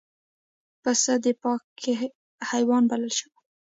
پسه د پاکۍ حیوان بلل شوی.